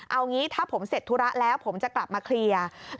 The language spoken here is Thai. เอางี้ถ้าผมเสร็จธุระแล้วผมจะกลับมาเคลียร์